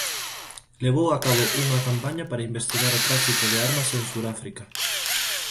Levou a cabo unha campaña para investigar o tráfico de armas en Suráfrica.